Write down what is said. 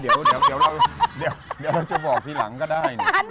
เดี๋ยวมันจะบอกทีหลังก็ได้